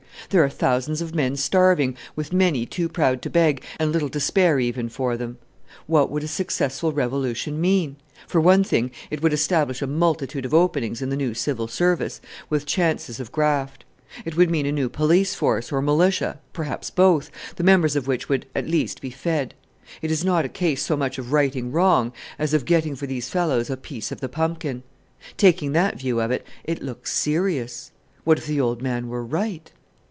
There are thousands of men starving, with many too proud to beg, and little to spare even for them. What would a successful revolution mean? For one thing, it would establish a multitude of openings in the new Civil Service with chances of graft. It would mean a new police force, or militia, perhaps both, the members of which would, at least, be fed. It is not a case so much of righting wrong, as of getting for these fellows a piece of the pumpkin. Taking that view of it, it looks serious. What if the old man were right!"